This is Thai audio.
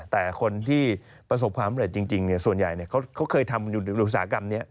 แต่คนที่ประสบความเร็จจริงส่วนใหญ่เขาเคยทำอุตสาหกรรมนี้